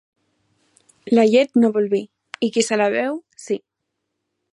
La llet no vol vi i qui se la beu, sí.